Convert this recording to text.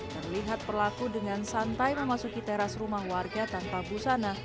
terlihat pelaku dengan santai memasuki teras rumah warga tanpa busana